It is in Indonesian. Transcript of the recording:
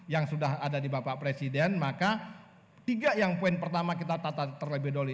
yang sudah ada di bapak presiden maka tiga yang poin pertama kita tata terlebih dahulu